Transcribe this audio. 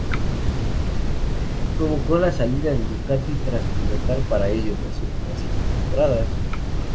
Esto provocó su salida de Ducati tras pilotar para ellos las últimas cinco temporadas.